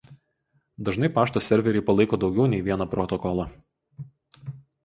Dažnai pašto serveriai palaiko daugiau nei vieną protokolą.